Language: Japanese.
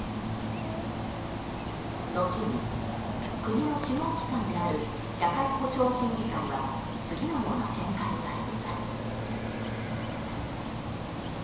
後に国の諮問機関である社会保障審議会は次のような見解を出しています。